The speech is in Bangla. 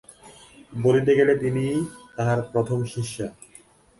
বলিতে গেলে তিনিই তাঁহার প্রথম শিষ্যা।